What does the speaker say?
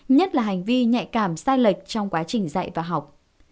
nhất là hành vi nhạy cảm sai lệch trong quá trình dạy và học